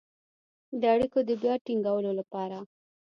د اړیکو د بيا ټينګولو لپاره